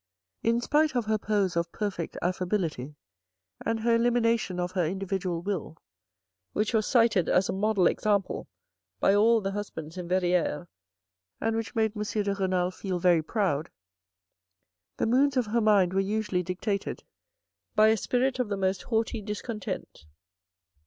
In spite of her pose of perfect affability and her elimination of her individual will which was cited as a model example by all the husbands in Verrieres and which made M. de Renal feel very proud, the moods of her mind were usually dictated by a spirit of the most haughty discontent.